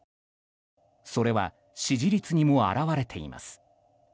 それは支持率にも表れています。